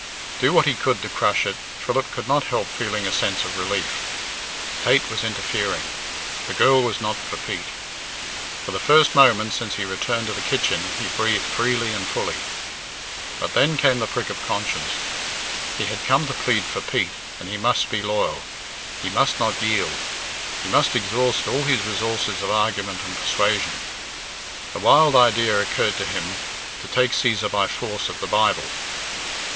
Do what he would to crush it, Philip could not help feeling a sense of relief. Fate was interfering; the girl was not for Pete. For the first moment since he returned to the kitchen he breathed freely and fully. But then came the prick of conscience: he had come to plead for Pete, and he must be loyal; he must not yield; he must exhaust all his resources of argument and persuasion. The wild idea occurred to him to take Cæsar by force of the Bible.